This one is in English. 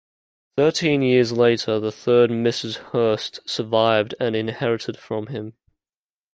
Thirteen years later, the third Mrs. Hearst survived and inherited from him.